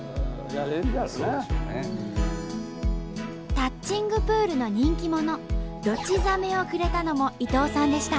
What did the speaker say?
タッチングプールの人気者ドチザメをくれたのも伊藤さんでした。